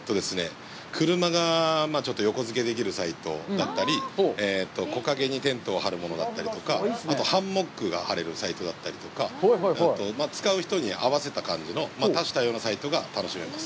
車がちょっと横づけできるサイトだったり、木陰にテントを張るものだったりとか、あとハンモックが張れるサイトだったりとか、あと使う人に合わせた感じの多種多様なサイトが楽しめます。